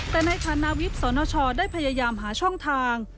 แต่ในฐานะวิบสนชได้พยายามหาช่องทาง